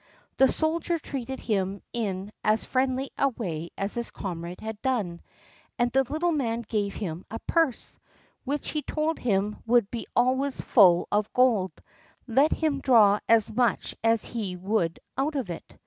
The soldier treated him in as friendly a way as his comrade had done, and the little man gave him a purse, which he told him would be always full of gold, let him draw as much as he would out of it.